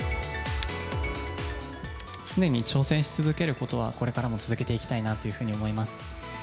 常に挑戦し続けることは、これからも続けていきたいなというふうに思います。